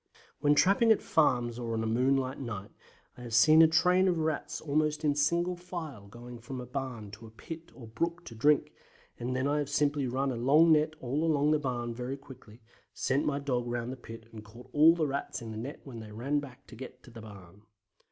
When trapping at farms on a moonlight night I have seen a train of Rats almost in single file going from a barn to a pit or brook to drink, and then I have simply run a long net all along the barn very quickly, sent my dog round the pit and caught all the Rats in the net when they ran back to get in the barn.